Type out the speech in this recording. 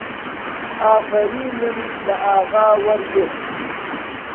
ئافەریمم لە ئاغا وەرگرت